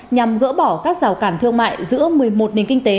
nhằm gỡ bỏ các rào cản thương mại giữa một mươi một nền kinh tế